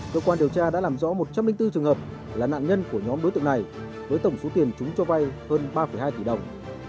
cơ quan điều tra đã làm rõ một chấp minh tư trường hợp là nạn nhân của nhóm đối tượng này với tổng số tiền chúng cho bay hơn ba hai tỷ đồng